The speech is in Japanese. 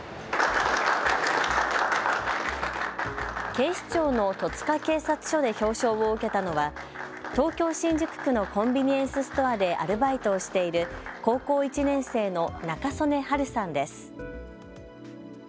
警視庁の戸塚警察署で表彰を受けたのは東京・新宿区のコンビニエンスストアでアルバイトをしている高校１年生の仲宗根はるさんです。